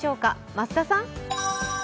増田さん。